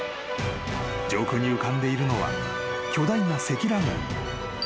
［上空に浮かんでいるのは巨大な積乱雲］